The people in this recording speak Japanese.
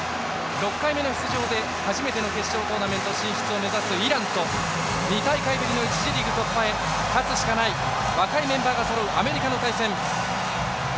６回目の出場で初めての決勝トーナメント進出を目指すイランと２大会ぶりの１次リーグ突破へ勝つしかない若いメンバーがそろうアメリカの対戦。